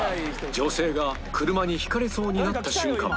女性が車にひかれそうになった瞬間